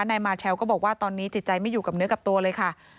นายมาเชลก็บอกว่าตอนนี้จิตใจไม่อยู่กับเนื้อกับตัวเลยค่ะ